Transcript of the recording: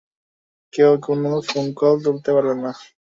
কেউ কোনো ফোনকল তুলতে পারবেন না।